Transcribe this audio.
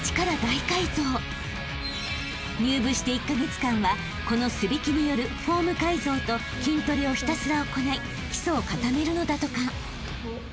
［入部して１カ月間はこの素引きによるフォーム改造と筋トレをひたすら行い基礎を固めるのだとか］